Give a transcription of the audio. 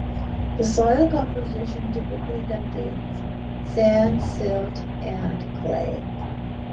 The soil composition typically contains sand, silt and clay.